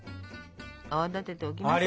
泡立てておきました。